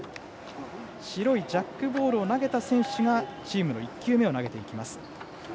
白いジャックボールを投げた選手がチームの１球目を投げていきます。